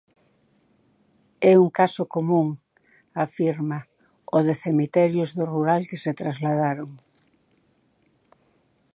É un caso común, afirma, o de cemiterios do rural que se trasladaron.